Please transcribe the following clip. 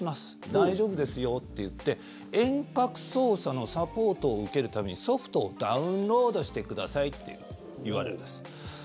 大丈夫ですよって言って遠隔操作のサポートを受けるためにソフトをダウンロードしてくださいって言われるんです。